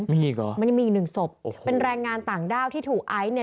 มีอีกเหรอมันยังมีอีกหนึ่งศพเป็นแรงงานต่างด้าวที่ถูกไอซ์เนี่ย